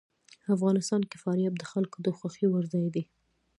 افغانستان کې فاریاب د خلکو د خوښې وړ ځای دی.